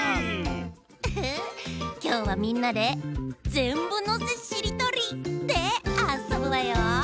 ウフきょうはみんなで「ぜんぶのせしりとり」であそぶわよ。